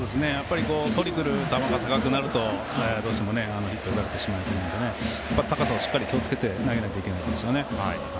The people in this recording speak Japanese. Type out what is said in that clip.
とりにくる球が高くなるとどうしてもヒットを打たれてしまうので高さをしっかり気をつけて投げなくてはいけませんね。